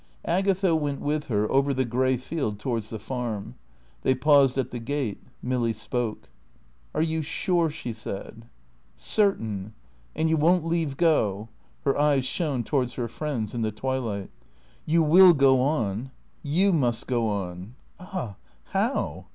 Agatha went with her over the grey field towards the Farm. They paused at the gate. Milly spoke. "Are you sure?" she said. "Certain." "And you won't leave go?" Her eyes shone towards her friend's in the twilight. "You will go on?" "You must go on." "Ah how?"